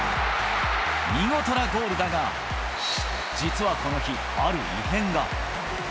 見事なゴールだが、実はこの日、ある異変が。